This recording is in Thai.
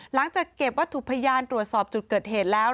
หลังจากเก็บวัตถุพยานตรวจสอบจุดเกิดเหตุแล้ว